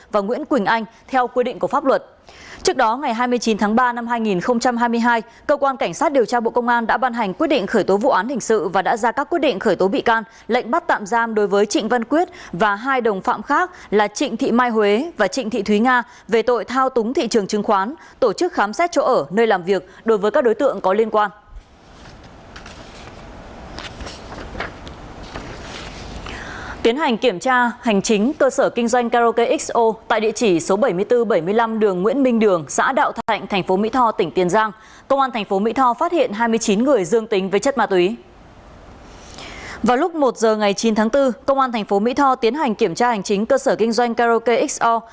vào lúc một giờ ngày chín tháng bốn công an thành phố mỹ tho tiến hành kiểm tra hành chính cơ sở kinh doanh karoke xo